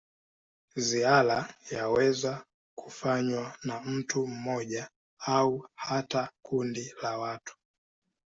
Ziara yaweza kufanywa na mtu mmoja au hata kundi la watu.